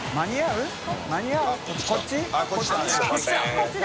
こっちだ！